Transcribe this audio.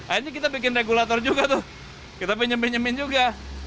akhirnya kita bikin regulator juga tuh kita pinjam pinjamin juga